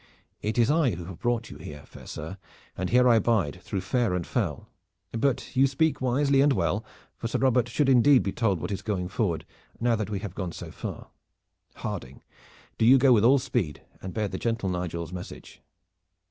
"It is I who have brought you here, fair sir, and here I bide through fair and foul. But you speak wisely and well, for Sir Robert should indeed be told what is going forward now that we have gone so far. Harding, do you go with all speed and bear the gentle Nigel's message."